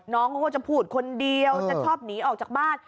น้องเขาก็จะพูดคนเดียวจะชอบหนีออกจากบ้าน